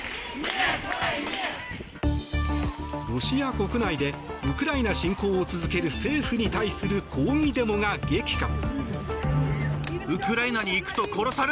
ロシア国内でウクライナ侵攻を続ける政府に対する抗議デモが激化。